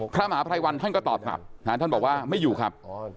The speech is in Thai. พระมหาภัยวันท่านก็ตอบกลับท่านบอกว่าไม่อยู่ครับ